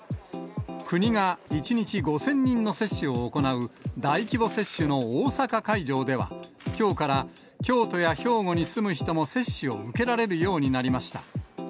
国が１日５０００人の接種を行う大規模接種の大阪会場では、きょうから京都や兵庫に住む人も接種を受けられるようになりました。